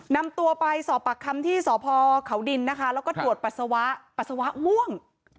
นำตัวไปสอบปากคำที่สพเขาดินนะคะแล้วก็ตรวจปัสสาวะปัสสาวะม่วง